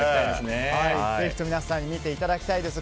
ぜひとも皆さんに見ていただきたいです。